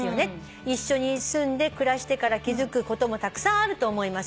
「一緒に住んで暮らしてから気付くこともたくさんあると思います」